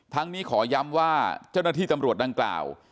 นี้ขอย้ำว่าเจ้าหน้าที่ตำรวจดังกล่าว